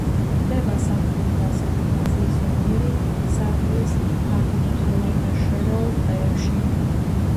გვხვდება სამხრეთ-დასავლეთ აზიის ზომიერი სარტყლის ფართოფოთლოვან და შერეულ ტყეებში.